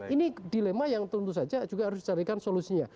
ini dilema yang tentu saja juga harus dicarikan solusinya